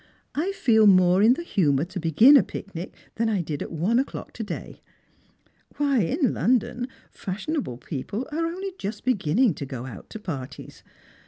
I feel more in the humour to begin a picnic than I did at one o'clock to day. Why, in London fashionable people are only just beginning to go out to parties